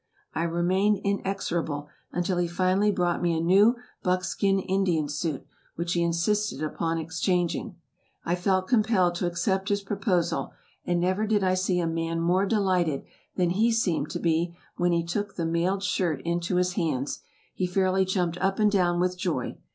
I remained inexorable until he finally brought me a new buckskin Indian suit, which he insisted upon exchanging. I felt compelled to accept his proposal; and never did I see a man more delighted than he seemed to be when he took the mailed shirt into his hands. He fairly jumped up and down with joy.